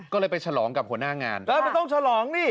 ก็เลยไปฉลองกับหัวหน้างานเออไม่ต้องฉลองนี่